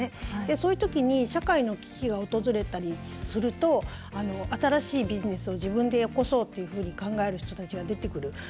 そういう時に社会の危機が訪れたりすると新しいビジネスを自分で起こそうと考える人たちが出てくる。